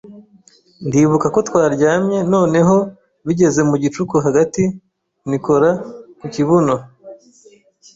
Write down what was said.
ndibuka ko twaryamye noneho bigeze mu gicuku hagati nikora ku kibuno